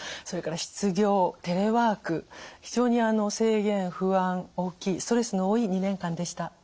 それから失業テレワーク非常に制限不安大きいストレスの多い２年間でした。